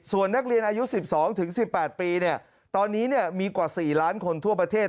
ส่วนนักเรียนอายุ๑๒๑๘ปีตอนนี้มีกว่า๔ล้านคนทั่วประเทศ